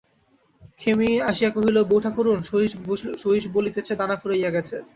খেমি আসিয়া কহিল, বউঠাকরুন, সহিস বলিতেছে দানা ফুরাইয়া গেছে।